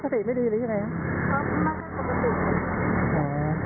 เค้าสติดีทำไรหรือเป็นยังไง